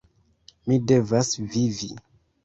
Mi devas vivi!